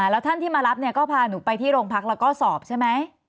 แล้วท่านที่มารับเนี่ยก็พาหนูไปที่โรงพักแล้วก็สอบใช่ไหม